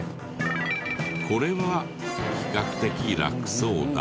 これは比較的楽そうだ。